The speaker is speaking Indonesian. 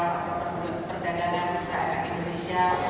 untuk memulai perjalanan kembali ke masyarakat indonesia